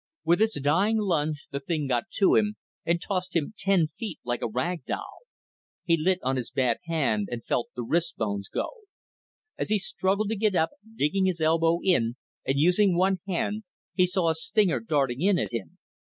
With its dying lunge the thing got to him and tossed him ten feet like a rag doll. He lit on his bad hand and felt the wrist bones go. As he struggled to get up, digging his elbow in and using one hand, he saw a stinger darting in at him.